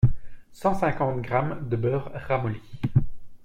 cent cinquante grammes de beurre ramolli